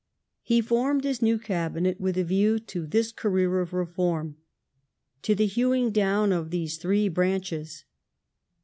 He formed his new Cabinet with a view to this career of reform — to the hew ing down of these three branches.